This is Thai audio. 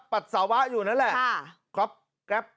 ปัสสาวะอยู่นั่นแหละ